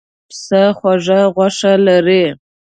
پسه خوږه غوښه لري.